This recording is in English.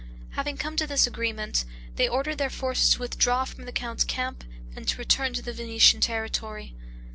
Having come to this agreement, they ordered their forces to withdraw from the count's camp and to return to the Venetian territory.